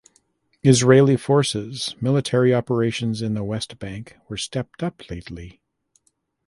Israeli forces military operations in the West Bank were stepped up lately.